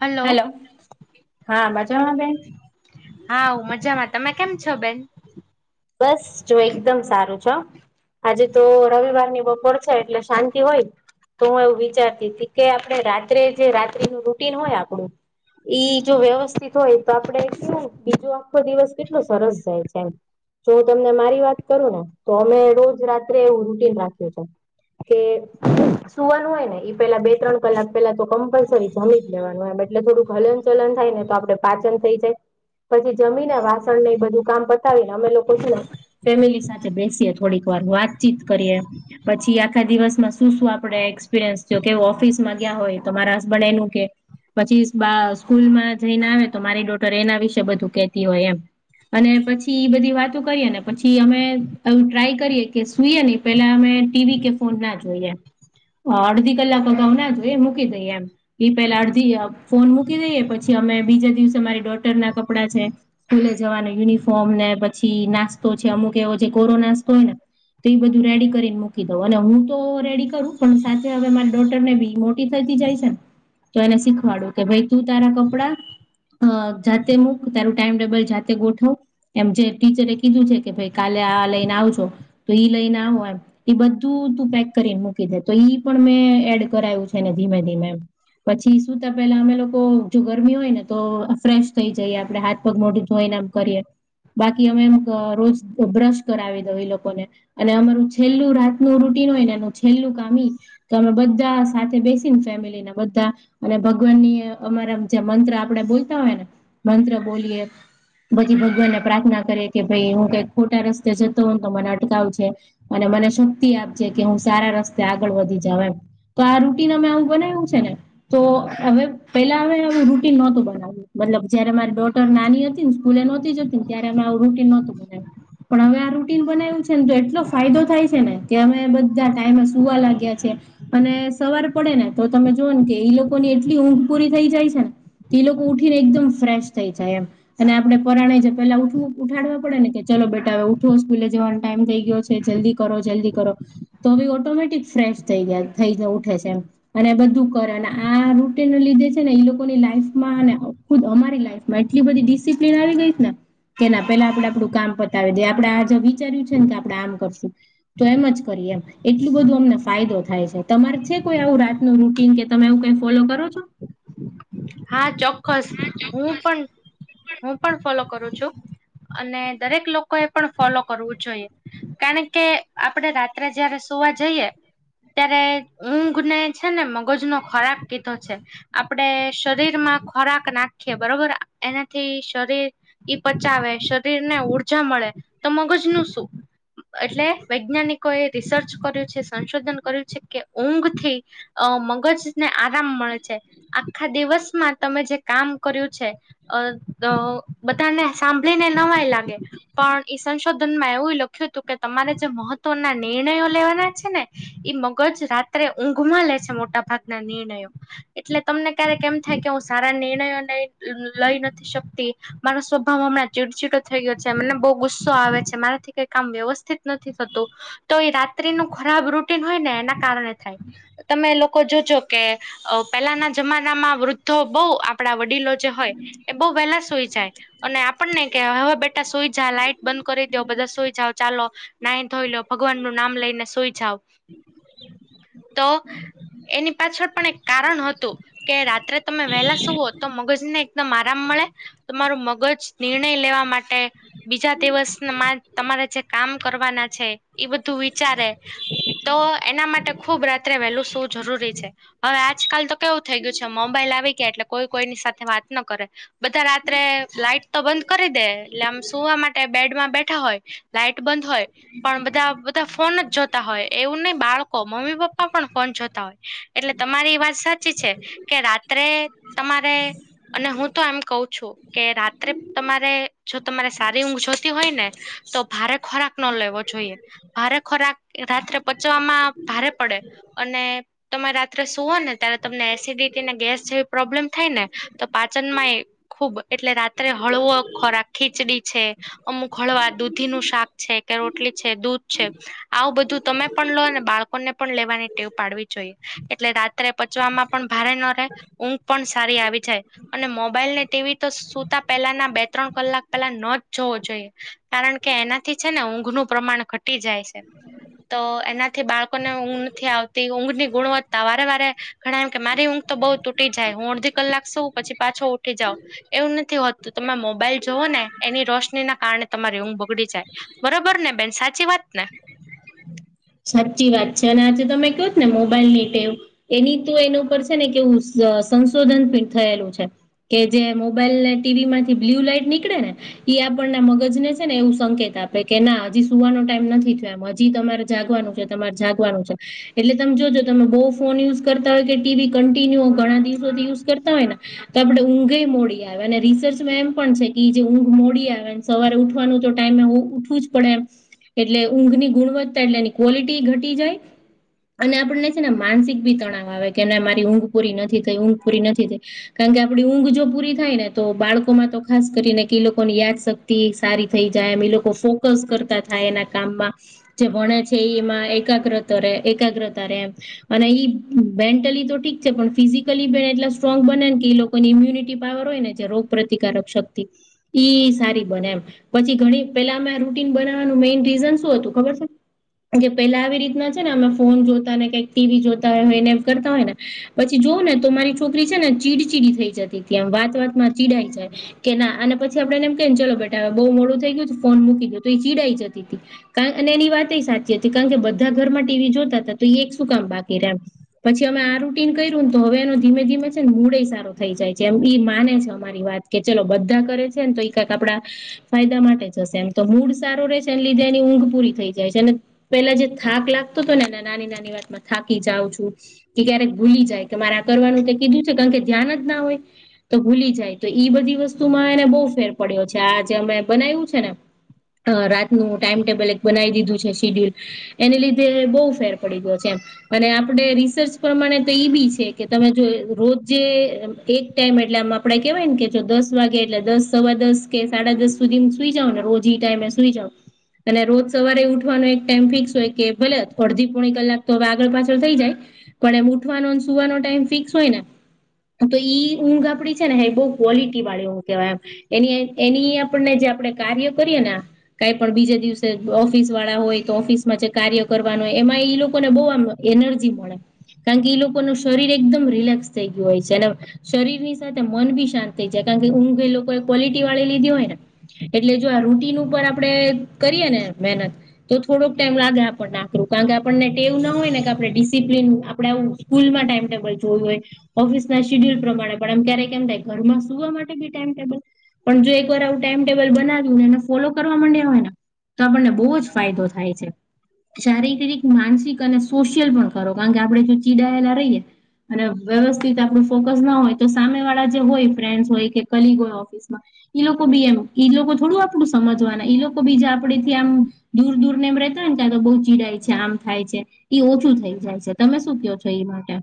Hello hello હા મજા માં બેન. હા હું મજામાં તમે કેમ છો બેન? બસ જો એકદમ સારું છે હા. આજે તો રવિવાર ની બપોર છે એટલે શાંતિ હોય. તો હું એવું વિચારતી હતી કે આપણે રાત્રે જે રાત્રિનું રૂટીન હોય આપણું ઈ જો વ્યવસ્થિત હોય તો આપડે કેવું બીજો આખો દિવસ કેટલો સરસ જાય છે એમ. જો તમને મારી વાત કરું ને તો અમે રોજ રાત્રે એવું રૂટીન રાખ્યું છે કે સુવાનું હોય ને ઈ પેલા બે ત્રણ કલાક પેલા તો કમ્પલસરી જમી જ લેવાનું એમ એટલે એટલે થોડુંક હલન ચલન થાય ને તો આપડે પાચન થઈ જાય પછી જમીને વાસણ ને એ બધું કામ પતાવીને અમે લોકો છે ને ફેમિલી સાથે બેસીએ થોડીક વાર વાતચીત કરીએ. પછી આખા દિવસમાં શું શું આપડે એક્સપિરિયન્સ જો કે ઓફિસમાં ગયા હોય તો મારા હસબન્ડ એનું કેય પછી બા સ્કૂલમાં જઈને આવે તો મારી ડોટર એના વિશે બધું કેતી હોય એમ. અને પછી પછી બધી વાતો કરીએ ને પછી અમે ટ્રાય કરીએ કે સુઈએ ને પેલા અમે ટીવી કે ફોન ના જોઈએ અડધી કલાક અગાઉ ના જોઈએ મૂકી દઈએ એમ. ઈ પેલા અડધી ફોન મૂકી દઈએ પછી અમે બીજા દિવસે મારી ડોટર ના કપડાં છે સ્કૂલે જવાનો યુનિફોર્મ ને પછી નાસ્તો છે અમુક એવો જે કોરો નાસ્તો હોય ને તો એ બધું રેડી કરીને મૂકી દઉં અને હું તો રેડી કરું પણ સાથે હવે મારા ડોટર ને બી મુ થતી જાય છે ને તો એને શીખવાડું કે ભઈ તું તારા કપડા અ જાતે મૂક તું તારું ટાઈમ ટેબલ જાતે ગોઠવ એમ જે ટીચરે કીધું છે કે ભાઈ કાલે આ લઈને આવજો તો ઈ લઈને આવો એમ. ઈ બધું તું પેક કરીને મૂકી દે તો ઈ પણ મેં એડ કરાયું છે એને ધીમે ધીમે પછી સુતા પેલા અમે લોકો જો ગરમી હોય ને તો ફ્રેશ થઈ જઈએ આપડે હાથ પગ, મોઢું ધોઈ ને એમ કરીએ. બાકી અમે એમ રોજ બ્રશ કરાવી દઉ ઈ લોકોને. અને અમારું છેલ્લું રાતનું રૂટિન હોય ને એનું છેલ્લું કામ કે અમે બધા સાથે બેસીને ફેમિલી એ બધા અને ભગવાન ની અમારા જે મંત્ર આપડે બોલતા હોય ને મંત્ર બોલીએ બધી ભગવાન પ્રાર્થના કરે કે ભઈ હું કઈક ખોટા રસ્તે જતી હોવ ને તો મને અટકાવ જો. અને મને શક્તિ આપજે કે હું સારા રસ્તે આગળ વધી જાઉ એમ. તો આ રૂટીન અમે આવું બનાવ્યું છે ને તો હવે પેલા હવે આવું રૂટીન નોતું બનાયવુ. મતલબ જયારે મારી ડોટર નાની હતી ને સ્કૂલ નોતી જતી ત્યારે અમે આવું રૂટીન તું પણ હવે આ બનાયું છે ને તો એટલો ફાયદો થાય છે ને કે અમે બધા ટાઈમે સુવા લાગ્યા છે. અને સવાર પડે ને તો તમે જુઓ ને કે ઈ લોકો ની એટલી ઊંઘ પૂરી થઈ જાય છે ને તો ઈ લોકો ઉઠીને એકદમ ફ્રેશ થઈ જાય એમ અને આપણે પરરાણે જ પેલા ઉઠવું ઉઠાડવા પડે ને કે ચલો બેટા હવે ઉઠો સ્કૂલે જવાનો ટાઈમ થઈ ગયો છે જલ્દી કરો, જલ્દી કરો. તો ઈ ઓટોમેટિક ફ્રેશ થઈ ગયા થઈ ઉઠે છે એમ અને બધું કરે અને આ રૂટીન લીધે છે ને ઈ લોકોની લાઈફમાં ખુદ અમારી લાઈફમાં એટલી બધી ડિસિપ્લિન આવી ગઈ ને કે પેલા આપડે આપડું કામ પતાવી દે આપડે આજ વિચાર્યું છે ને કે આપડે આમ કરશું. તો એમ જ કરીએ એમ એટલું બધું અમને ફાયદો થાય છે તમારે છે કોઈ આવું રા રાત નું રૂટીન કે તમે એવું કઈ ફોલો કરો છો. હા ચોક્કસ હું પણ હું પણ ફોલો કરું છું. અને દરેક લોકો એ પણ ફોલો કરવું જોઈએ. કારણ કે આપડે રાત્રે જયારે સુવા જઈએ તયારે ઊંઘને છે ને મગજ નો ખોરાક કીધો છે આપડે શરીર માં ખોરાક નાખી બરોબર એનાથી શરીર ઈ પચાવે શરીર ને ઉર્જા મળે તો મગજ ન શું. એટલે વૈજ્ઞાનિકો એ રિસર્ચ કર્યું છે સંશોધન કર્યું છે કે ઊંઘ થી અ મગજ ને આરામ મળે છે. આખા દિવસમાં તમે જે કામ કર્યું છે. અ દ બધાને સાંભળીને નવાય લાગે. પણ ઈ સંશોધન માં એવું લખ્યું હતું કે તમારે જે મહત્વના નિર્ણયો લેવાના છે ને. ઈ મગજ રાત્રે ઊંઘમાં લે છે મોટા ભાગના નિર્ણયો એટલે તમને ક્યારે કેમ થાય કે હું સારા નિર્ણયોને લઈ નથી શકતી. મારો સ્વભાવ હમણાં ચીડચીડો થઈ ગયો છે મને બહુ ગુસ્સો આવે છે મારાથી કઈ કામ વ્યવસ્થિત નથી થતું તો એ રાત્ર્રી નું ખરાબ રૂટીન હોય ને એના કારણે થાય. તમે લોકો જોજો કે અ પહેલાના જમાનામાં વૃદ્ધો બહુ આપણા વડીલો જે હોય એ બહુ વહેલા સોઈ જાય. અને આપણને કે હવે બેટા સોઈ જા લાઈટ બંધ કરી દો બધા સઈ જા. ચાલો નાહી ધોઈ લો ભગવાન નું નામ લઈને સોઈ જાવ. હમ [inaudible] તો એની પાછળ પણ એક કારણ હતું. કે રાત્રે તમે વહેલા સુવો તો મગજ ને એકદમ આરામ મળે. તમારું મગજ નિર્ણય લેવા માટે. બીજા દિવસમાં તમારે જે કામ કરવાના છે. એ બધું વિચારે તો એના માટે. ખુબ રાત્રે વહેલું શું જરૂરી છે હવે આજકાલ તો કેવું થઈ ગયું છે મોબાઈલ આવી ગયા એટલે કોઈ કોઈની સાથે વાત ના કરે બધા રાત્રે લાઈટ તો બંધ કરી દે એટલે આમ સુવા માટે બેડમાં બેઠા હોય. લાઈટ બંધ હોય પણ બધા બધા ફોન જ. તા હોય એવું નહી બાળકો મમ્મી પપ્પા પણ ફોન જોતા હોય એટલે તમારી વાત સાચ ચી છે કે રાત્રે તમારે અને હું તો આમ કઉ છું. કે રાત્રે તમારે જો તમારે સારી ઊંઘ જોતી હોય ને તો ભારત ખોરાક ન લેવો જોઈએ ભારે ખોરાક રાત્રે પચવામાં ભારે પડે અને તમે રાત્રે સુૂઓ ને ત્યારે તમને એસિડિટીને ગેસ જેવી પ્રોબ્લેમ થાય ને તો પાચન માં ખુબ એટલે રાત્રે હળવો ખોરાક ખીચડી છે. અમુક હળવા દૂધી નું શાક છે કે રોટલી છે દૂધ છે. આવું બધું તમે પણ લોને બાળકોને પણ લેવાની ટેવ પાડવી જોઈએ એટલે રાત્રે પછી ચમાં પણ ભારે ન રહે ઊંઘ પણ સારી આવી જાય. અને મોબાઈલ ને ટીવી તો સુતા પહેલાના બે ત્રણ કલાક પહેલા ન જ જોવો જોઈએ. કારણ કે એનાથી છે ને ઊંઘનું પ્રમાણ ઘટી જાય છે. તો એનાથી બાળકોને ઊંઘ નથી આવતી ઊંઘ ની ગુણવત્તા વારે વારે ઘણા એમ કે મારી ઊંઘ તો બઉુ તૂટી જાય હું અડધી કલાક સૌ પછી પાછો ઉઠી જાઉ. એવું નથી હોતું તમે મોબાઈલ જવો ને એની રોશની ના કારણે તમારી ઊંઘ બગડી જાય. બરાબર ને બેન સાચી વાત ને. સાચી વાત છે અને આજે તમે કહો ને મોબાઈલ ની ટેવ એની તો એના ઉપર છે ને કેવું સંશોધન બી થયેલું છે. કે જે મોબાઈલ ને ટીવી માંથી બ્લ્યુ લાઈટ નીકળે ને ઈ આપણને મગજ ને છે ને એવું સંકેત આપે કે ના હજી સુવાનો ટાઈમ નથી થયો એમ હજી તમારે જાગવાનું છે તમારે જાગવાનું છે. એટલે તમે જોજો તમે બહુ ફોન યુઝ કરતા હોય કે ટીવી કન્ટિન્યુ ઘણા દિવસોથી યુઝ કરતા હોય ને તો આપડે ઊંઘે મોડી આવે અને રિસર્ચમાં એમ પણ છે કે જે ઊંઘ મોડી આવે સવારે ઉઠવાનું તો ટાઈમે ઉઠવું જ પડે એમ એટલે ઊંઘની ગુણવત્તા તા એટલે એની ક્વોલિટી ઘટી જાય. અને આપણને છે ને માનસિક ભી તણાવ આવે કે મારી ઊંઘ પૂરી નથી થઈ ઊંઘ પૂરી નથી થઈ કારણ કે આપડી ઊંઘ જો પૂરી થાય ને તો બાળકોમાં તો ખાસ કરીને કે લોકો ને યાદ શક્ સારી થઈ જાય એમ એ લોકો ફોકસ કરતા થાય એના કામમાં જે ભણે છે એ એમાં એકાગ્રતા ર એકાગ્રતા રે અને ઈ મેન્ટલી તો ઠીક છે પણ ફિઝિકલી એટલા સ્ટ્રોંગ બને કે લોકો કોની ઈમ્યુનિટી પાવર હોય ને જે રોગ પ્ર્રતિકારક શક્તિ ઈ સારી બને એમ પછી ઘણી પેલા અમે રૂટીન બનાવવાનું મેઈન રીઝન શું હતું ખબર છે કે પેલા આવી રીતના છે ને અમે ફોન જોતા ને કઈક ટીવી જોતા હોય હોય એને એ કરતા હોય ને પછી જોવ ને તો મારી છોકરી છે ને ચીડચીડી થઈ જતી ત્યા વાત વાતમાં ચીડાઈ જાય કે ના અને પછી આપડેને એમ કને ચલો બેટા બહુ મોડું થઈ ગયુંું ફોન મૂકી દય તો એ ચીડાઈ જતી હતી અને એની વાત એ સાચી હતી કારણ કે બધા ઘરમાં ટીવી જોતા હતા તો એ એક શું કામ બાકી રહમ પછી અમે આ રૂટીિન કર્યું ને તો હવે એનો ધીમે ધીમે છે ને મૂળે સારો થઈ જાય છે એમ માને છે અમારી વાત કે ચલો બધા કરે છે ને તો કક આપડા ફાયદા માટે જશે એમ તો હૂડ સારો રહેશે એ લીધે એની ઊંઘ પૂરી થઈ જાય છે પેલા જે થાક લાગતો હતો ને એ નાની નાની વાતમાં થાકી જાઉં છું કે ક્યારેક ભૂલી જાય કે મારે આ કરવાનું તે કીધું છે કારણ કે ધ્યાન જ ના હોય તો ભૂલી જાય તો બધી વસ્તુ માં એને બહુ ફેર પડ્યો છે આજે અમે બનાવ્યું છે ને અ રાતનું ટાઈમટેબલ એક બનાવી દીધું છે શીડ્યુલ એને લીધે બહુ ફેર પડી ગયો છે એમ અને આપડ રિસર્ચ પ્રમાણે તો એ બી છે કે તમે જો રોજ એક ટાઈમ એટલે આમ આપડે કેવાય ને કે દસ વાગે એટલે દસ સવા દસ કે સાડા દસ સુ સુઈ જાવ ને રોજ ટાઈમે સુઈ જ અને રોજ સવારે ઉ એક ટાઈમ ફિક્સ હોય કે ભલે અડધી પોણી કલાક તો હવે આગળ પાછળ થઈ જાય પણ એમ ઉઠવાનો સુવાનો ટાઈમ ફિક્સ હોય ને તો ઈ ઊંઘ આપડી છે ને બહુ ક્વોલિટી વાળી એું કહેવાય એમ એની એની આપણને જે આપડણે કાર્ય કરીય ને કઈ પણ બીજે દિવસે ઓફિસ વાળા હોય તો ઓફિસ માં જે કાર્ય કરવાનું હોય એમાં ઈ લોકોને બહમ એનર્જી મળે કારણ કે ઈ લોકો ન શરીર એકદમ રિલેક્સ થઈ ગયું હોય છે અને શરીર ની સાથે મન બી શાંત થઈ જાય કારણ કે ઊંઘ એ લોકોએ ક્વોલિટી વાળી લીધી હોય ને એટલે જો આ રૂટીન ઉપર આપડણે કરીએ ને મહેનત તો થોડોક ટાઈમ લાગે આપને આખરું કારણ કે આપણને એવું ના હોય ને કે આપણે ડિસિપ્લન આપણેે આવું સ્કૂલમાં ટાઈમ ટેબલ જોયું હોય ઓફિસ ના શિડ્યુલ પ્રમાણે પણ એમ ક્યારેક કેમ થાય ઘરમાં સુવા માટે બી ટાઈમ ટેબલ પણ જો એક વાર આવું ટાઈમ ટેબલ બનાવ્યુંને એને ફોલો કરવા માંડ્યા હોય ને તો આપણને બહુ જ ફાયદો થાય છે શારીરિક માનસિક અને સોશિયલ પણ ખરો કારણ કે આપડણે જો ચીડાયેલા રહીયએ અને વ્યવસ્થિત આપડું ફોકસ ના હોય તો સામે વાળા જે હોય ફ્રેન્ડસ હોય કે કલીગો હોય ઓફસમાં ઈ લોકો બી એમ ઈ લોકો થોડું આપડું સમજવાના ઈ લોકો બીજ આપડે થી આમ દૂર દૂર ને રતો ને કતો તો બહુ ચીડા છે આમ ખાય છે ઓછું થઈ જાય છે તમે શું કહો છો એ માટે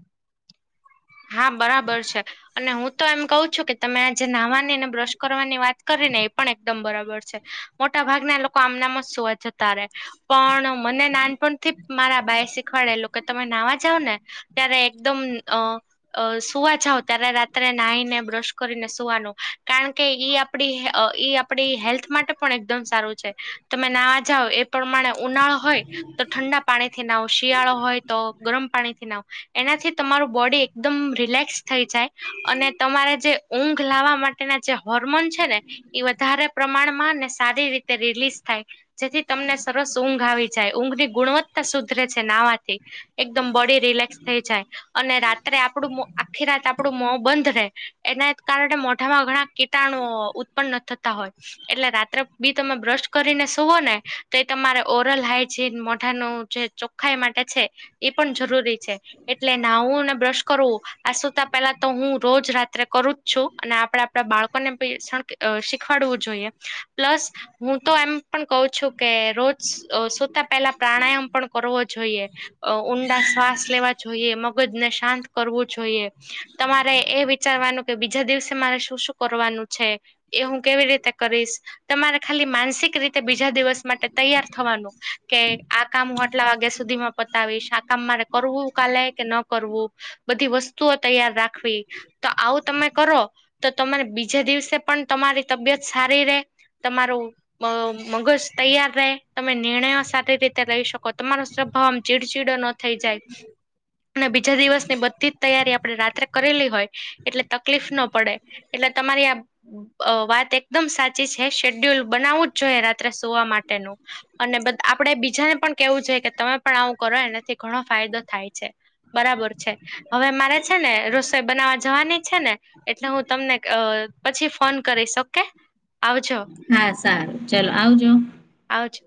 હા બરાબર છે અને હું તો એમ કહું છું કે તમે આજે નાહવાની ને બ્રશ કરવાની વાત કરીને એ પણ એકદમ બરાબર છે મોટા ભાગના લોકો આમનામાં સવા જતા રહે પણ મને નાનપણથી મારા બાાય શીખવાડે એ લોકો તમે નાવા જાાવ ને ત્યારે એકદમ અ અ સુવા જાવ ત્યારે રાત્રે નાહીને બ્રશ કરીને સુવાનું કારણ કે ઈ આપ આપડી હેલ્થ માટે પણ એકદમ સારું છે તમે નાવા જાઓ એ પ્રમાણે ઉનાળો હોય તો ઠંડા પાણી થી ના શિયાળો હોય તો ગરમ પાણીથી નાવ એનાથી તમારું બોડી એકદમ રિલેક્સ થઈ જાય અને તમારે જે ઊંઘ લાવવા માટેના જે હોર્મોન છે ને વધારે પ્રમાણમાં ને સારી રીતે રિલીઝ થાય જેથી તમને સરસ ઊંઘ આવી જાય ઊંઘની ગુણવત્તા સુધરે છે નાવાથી એકદમ બોડી રિલેક્સ થઈ જાય અને રા અરે આપણું આખી રાત આપણું મો બંધ રહે એના કારણે મોઢામાં ઘણા કીટાણુ પણ ન થતા હોય એટલે રાત્રે બી તમે બ્રશ કરીને સૂવો ને તો એ તમારે ઓરલ હાઈજીન મોઢાનું જે ખાઈ માટે છે એ પણ જરૂરી છે એટલે નાવું અને બ્રશ કરવું આ સુતા પેલા તો હું રોજ રાત્રે કરું જ છું અને આપડે આપણા બાળકોને ભી શણ અ શીખવાડવું જોઈએ પ્લસ હું તો એમ પણ ક છું કે રોજ સુતા પહેલા પ્રાણાયામ પણ કરવો જોઈએ ઊંડા શ્વાસ લેવા જોઈએ મગજને શાંત કરવું જોઈએ તમારે એ વિચારવાનું કે બીજા દિવસે મારે શું શું કરવાનું છે એ હું કેવી રીતે કરીશ તમારે ખાલી માનસિક રીતે બીજા દિવસ માટે તૈયાર થવાનું કે આ કામ હું આટલા વાગ્યા સુધીમાં પતાવીશ આ કામ મારે કરવું કાલે કે ન કરવું બધી વસ્તુઓ તૈયાર રાખવી તો આવું તમે કરો તો તમારે બીજે દિવસે પણ તમારી તબિયત સારી રે તમારો મગજ તૈયાર રહે તમે નિર્ણયો સારી રીતે રહી શકો તમારો સ્વભાવ આમ ચીડચીડો ન થઈ જાય અને બીજા દિવસ ની બ તૈયારી આપડે રાત્રે કરેલી હોય એટલે તકલીફ ના પડે એટલે તમારી આ વાત એકદમ સાચી છે શેડ્યુલ બનાવવું જ જોઈએ રાત્રે સુવા માટેનું અને બધ આપડે બીજાને પણ કેવું જોઈ કે તમે પણ આવું કરો એનાથી ઘણો ફાયદો થાય છે બરાબર છે હવે મારે છે ને રસોઈ બનાવવા જવાની છે ને એટલે હું તમને પછી ફોન કરીશ ઓકે આવજો હા સારું ચલો આવજો આવજો